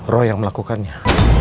roh yang melakukannya